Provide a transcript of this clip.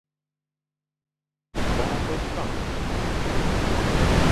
Bon be Fañ.